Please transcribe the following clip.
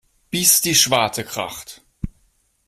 Bis die Schwarte kracht.